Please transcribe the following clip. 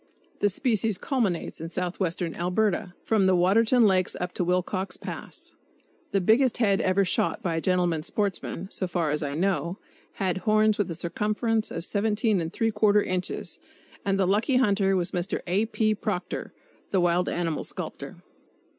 The species culminates in southwestern Alberta, from the Waterton Lakes up to Wilcox Pass. The biggest head ever shot by a gentleman sportsman, so far as I know, had horns with a circumference of 17¾ inches; and the lucky hunter was Mr. A. P. Proctor, the wild animal sculptor.